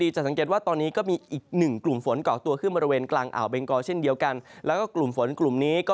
จะสังเกตว่าตอนนี้ก็มีอีกหนึ่งหลุมฝนกล่อกตัวขึ้นบริเวณกลางอ่าอบแบงกอเช่นเดียวกัน